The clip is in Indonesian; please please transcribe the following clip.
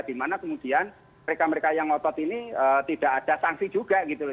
di mana kemudian mereka mereka yang ngopot ini tidak ada sanksi juga gitu loh